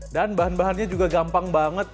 dan bahan bahannya juga gampang banget